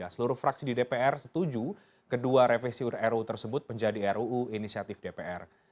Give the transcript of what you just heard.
seluruh fraksi di dpr setuju kedua revisi ruu tersebut menjadi ruu inisiatif dpr